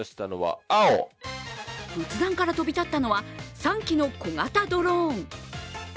仏壇から飛び立ったのは３機の小型ドローン。